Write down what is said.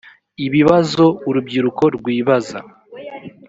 ibibazo urubyiruko rwibaza